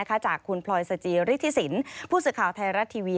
ของคุณปลอยซิริษิสินผู้ศึกข่าวไทยรัตน์ทีวี